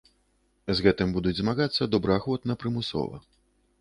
З гэтым будуць змагацца добраахвотна-прымусова.